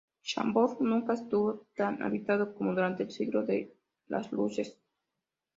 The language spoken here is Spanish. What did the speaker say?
Chambord nunca estuvo tan habitado como durante el Siglo de las Luces.